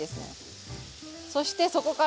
そしてそこから１０秒。